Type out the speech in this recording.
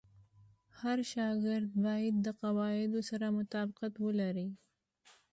هر شاګرد باید د قواعدو سره مطابقت ولري.